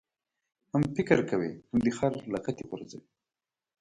هم فقر کوې ، هم دي خر لغتي غورځوي.